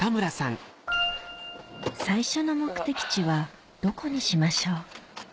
最初の目的地はどこにしましょう？